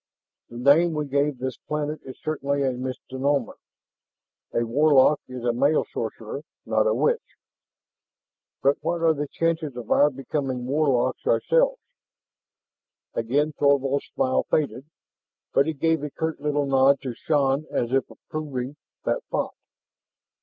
"The name we gave this planet is certainly a misnomer. A warlock is a male sorcerer, not a witch." "And what are the chances of our becoming warlocks ourselves?" Again Thorvald's smile faded, but he gave a curt little nod to Shann as if approving that thought.